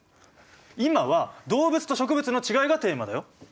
今は動物と植物のちがいがテーマだよ。